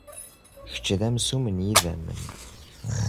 Kečč d amsumm n yidammen?